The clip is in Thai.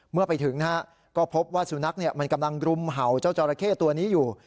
เมื่อไปถึงนะฮะก็พบว่าสุนัขมันกำลังรุมเห่าเจ้าจอราเข้ตัวนี้อยู่